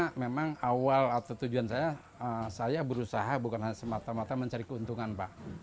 karena memang awal atau tujuan saya saya berusaha bukan hanya semata mata mencari keuntungan pak